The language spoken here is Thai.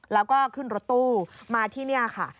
แล้วก็ขึ้นรถตู้มาที่นี่ค่ะ